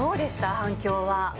反響は。